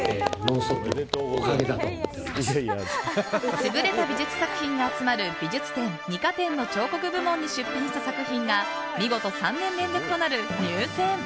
優れた美術作品が集まる美術展、二科展の彫刻部門に出品した作品が見事、３年連続となる入選！